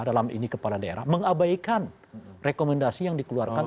dalam ini kepala daerah mengabaikan rekomendasi yang dikeluarkan